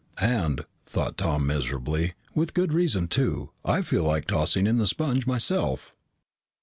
"And," thought Tom miserably, "with good reason too! I feel like tossing in the sponge myself."